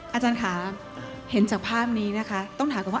อาจารย์ค่ะที่เห็นจากภาพนี้ต้องถามว่า